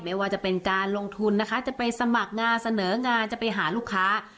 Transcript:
ไม่ว่าจะเป็นการลงทุนนะคะจะไปสมัครงานเสนองานจะไปหาลูกค้า